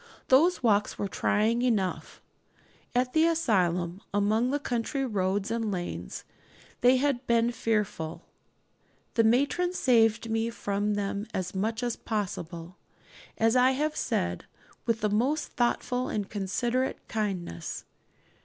Those walks were trying enough; at the asylum, among the country roads and lanes, they had been fearful. The matron saved me from them as much as possible, as I have said, with the most thoughtful and considerate kindness.